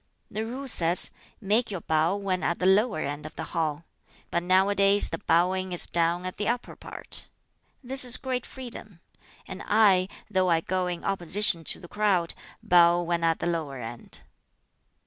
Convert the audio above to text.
"The Rule says, 'Make your bow when at the lower end of the hall'; but nowadays the bowing is done at the upper part. This is great freedom; and I, though I go in opposition to the crowd, bow when at the lower end."